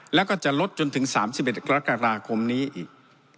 แล้วก็จะลดจนถึง๓๑กรกฎาคมนี้อีก